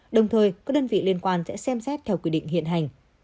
đồng thời các đơn vị liên quan sẽ xem xét theo quy định hiện hành